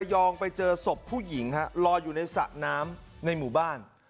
ยองไปเจอศพผู้หญิงฮะลอยอยู่ในสระน้ำในหมู่บ้าน